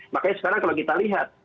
makanya sekarang kalau kita lihat